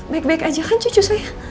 baik baik aja kan cucu saya